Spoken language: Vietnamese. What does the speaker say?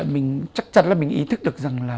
mình chắc chắn là mình ý thức được rằng là